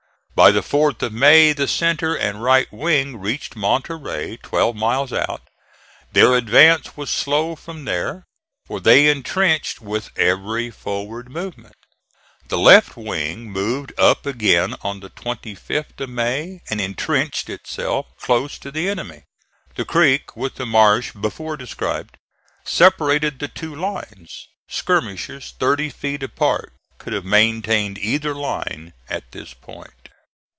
By the 4th of May the centre and right wing reached Monterey, twelve miles out. Their advance was slow from there, for they intrenched with every forward movement. The left wing moved up again on the 25th of May and intrenched itself close to the enemy. The creek with the marsh before described, separated the two lines. Skirmishers thirty feet apart could have maintained either line at this point.